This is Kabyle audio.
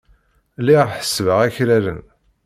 Lliɣ ḥessbeɣ akraren.